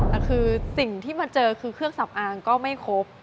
แต่คือสิ่งที่มาเจอคือเครื่องสำอางก็ไม่ครบ